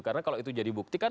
karena kalau itu jadi bukti kan